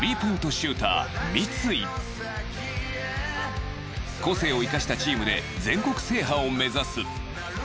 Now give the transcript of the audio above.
シューター、三井個性を生かしたチームで全国制覇を目指す！